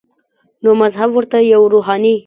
نو مذهب ورته یوه روحاني